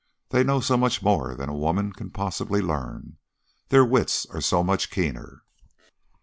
They know so much more than a woman can possibly learn; their wits are so much keener!